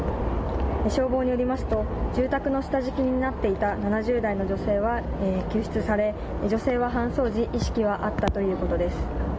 消防によりますと、住宅の下敷きになっていた７０代の女性は救出され、女性は搬送時、意識はあったということです。